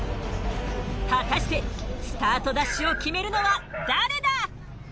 果たしてスタートダッシュを決めるのは誰だ！？